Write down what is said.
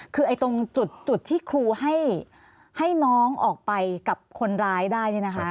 คือตรงจุดที่ครูให้น้องออกไปกับคนร้ายได้